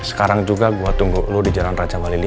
erlang juga gue tunggu lo di jalan raja wali lima